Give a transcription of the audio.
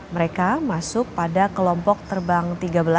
mereka masuk pada kelompok terbang tiga belas